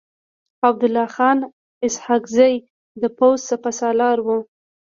عبدالله خان اسحق زی د پوځ سپه سالار و.